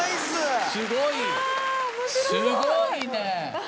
すごいね。